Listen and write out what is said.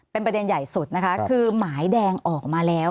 เป็นประเด็นใหญ่สุดนะคะคือหมายแดงออกมาแล้ว